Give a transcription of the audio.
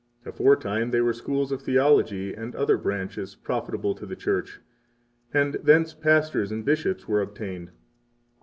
Aforetime they were schools of theology and other branches, profitable to the Church; and thence pastors and bishops were obtained.